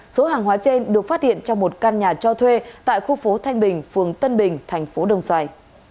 số hàng hóa trên được phát hiện trong một căn nhà cho thuê tại khu phố thanh bình phường tân bình thành phố đồng xoài